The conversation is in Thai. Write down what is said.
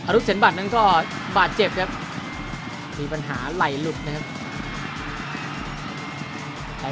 รุดเสร็จบัตรนั้นก็บาดเจ็บครับมีปัญหาไหล่หลุดนะครับ